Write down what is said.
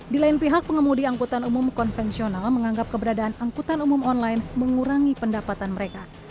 di lain pihak pengemudi angkutan umum konvensional menganggap keberadaan angkutan umum online mengurangi pendapatan mereka